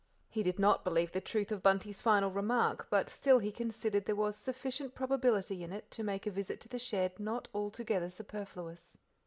He did not believe the truth of Bunty's final remark, but still he considered there was sufficient probability in it to make a visit to the shed not altogether superfluous.